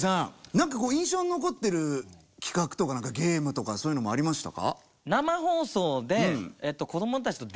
何かこう印象に残ってる企画とか何かゲームとかそういうのもありましたか？